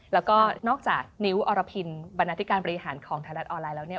แล้วก็นอกจากนิ้วอรพินบรรณาธิการบริหารของไทยรัฐออนไลน์แล้วเนี่ย